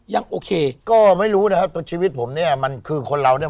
ยังโอเคก็ไม่รู้นะครับชีวิตผมเนี่ยมันคือคนเราเนี่ย